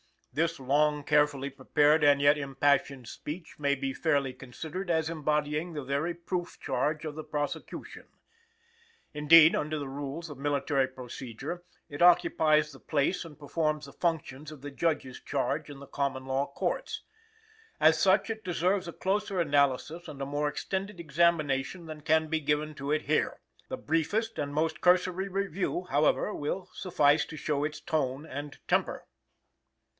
This long, carefully prepared and yet impassioned speech may be fairly considered as embodying the very proof charge of the prosecution. Indeed, under the rules of military procedure, it occupies the place and performs the functions of the judge's charge in the common law courts. As such, it deserves a closer analysis and a more extended examination than can be given to it here. The briefest and most cursory review, however, will suffice to show its tone and temper.